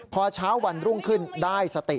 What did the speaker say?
พอเช้าวันรุ่งขึ้นได้สติ